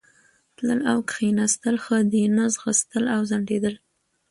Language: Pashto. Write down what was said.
تلل او کښېنستل ښه دي، نه ځغستل او ځنډېدل.